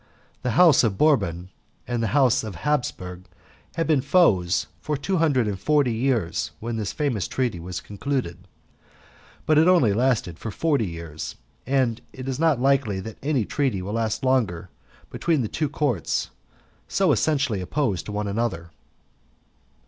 The House of Bourbon and the House of Hapsburg had been foes for two hundred and forty years when this famous treaty was concluded, but it only lasted for forty years, and it is not likely that any treaty will last longer between two courts so essentially opposed to one another.